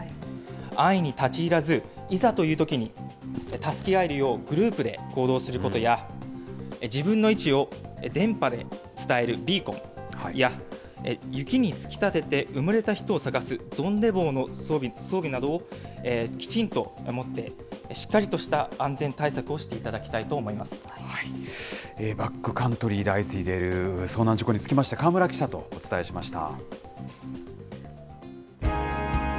安易に立ち入らず、いざというときに助け合えるようグループで行動することや、自分の位置を電波で伝えるビーコンや雪に突き立てて埋もれた人を捜すゾンデ棒の装備などをきちんと持って、しっかりとした安全対バックカントリーで相次いでいる遭難事故につきまして、川村記者とお伝えしました。